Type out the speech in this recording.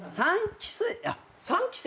３期生？